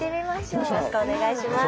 よろしくお願いします。